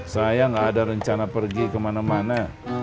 saya nggak ada rencana pergi ke mana mana